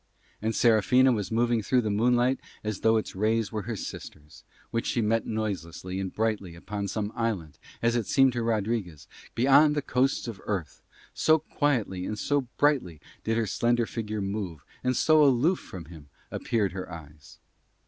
And Serafina was moving through the moonlight as though its rays were her sisters, which she met noiselessly and brightly upon some island, as it seemed to Rodriguez, beyond the coasts of Earth, so quietly and so brightly did her slender figure move and so aloof from him appeared her eyes.